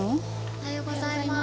おはようございます。